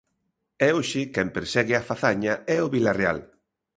E hoxe quen persegue a fazaña é o Vilarreal.